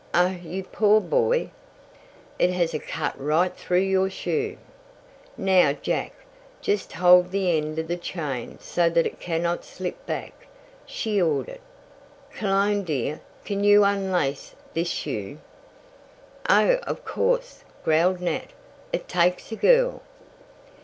"Oh, you poor boy! It has cut right through your shoe. Now, Jack, just hold the end of the chain so that it cannot slip back," she ordered. "Cologne, dear, can you unlace this shoe?" "Oh, of course," growled Nat, "it takes a girl!"